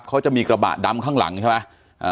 เขาจะมีกระบะดำข้างหลังใช่ไหม